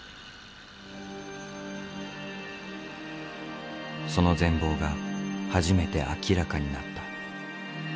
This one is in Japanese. その全貌が初めて明らかになった。